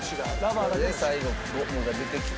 「これで最後ゴムが出てきて」